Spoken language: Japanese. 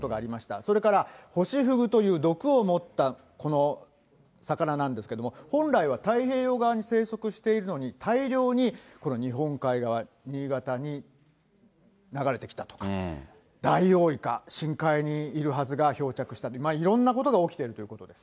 それからホシフグという、毒を持ったこの魚なんですけれども、本来は太平洋側に生息しているのに、大量に日本海側、新潟に流れてきたとか、ダイオウイカ、深海にいるはずが漂着したと、いろんなことが起きているということです。